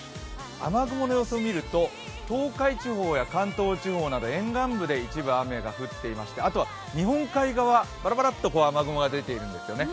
雨雲の様子を見ると、東海地方や関東地方など沿岸部で一部雨が降っていましてあとは日本海側、バラバラと雨雲が出ているんですよね。